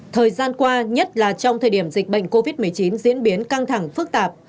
thời gian qua nhất là trong thời điểm dịch bệnh covid một mươi chín diễn biến căng thẳng phức tạp